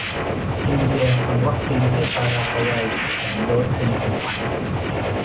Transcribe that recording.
อินเดียส่งวัคซีนให้ปารากวัยแสนโดสเป็นของขวัญ